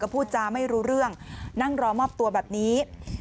พูดจาไม่รู้เรื่องนั่งรอมอบตัวแบบนี้